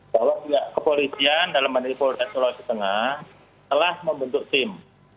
bahwa pihak kepolisian dalam menipu dasar setengah telah membentuk sim